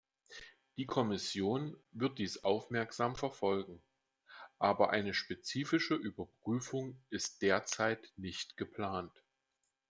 Die Kommission wird dies aufmerksam verfolgen, aber eine spezifische Überprüfung ist derzeit nicht geplant.